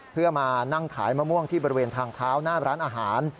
เพื่อมานั่งขายมะม่วงที่บริเวณทางเท้าหน้าร้านอาหาร